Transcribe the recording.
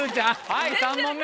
はい３問目。